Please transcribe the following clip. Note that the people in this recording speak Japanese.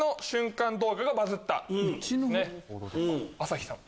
朝日さん。